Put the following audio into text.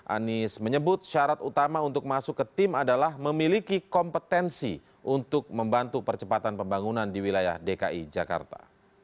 anies menyebut syarat utama untuk masuk ke tim adalah memiliki kompetensi untuk membantu percepatan pembangunan di wilayah dki jakarta